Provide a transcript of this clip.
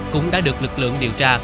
cũng đã được lực lượng điều tra